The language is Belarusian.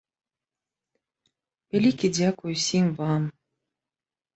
Вялікі дзякуй усім вам!